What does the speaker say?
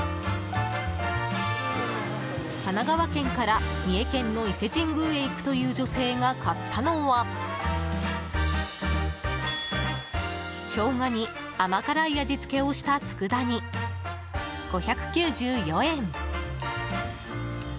神奈川県から三重県の伊勢神宮へ行くという女性が買ったのはショウガに甘辛い味付けをした佃煮、５９４円。